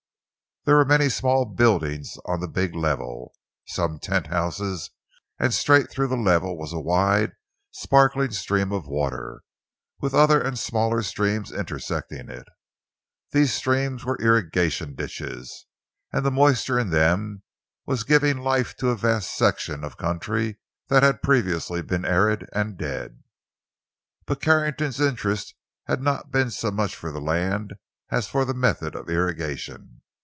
There were many small buildings on the big level, some tenthouses, and straight through the level was a wide, sparkling stream of water, with other and smaller streams intersecting it. These streams were irrigation ditches, and the moisture in them was giving life to a vast section of country that had previously been arid and dead. But Carrington's interest had not been so much for the land as for the method of irrigation.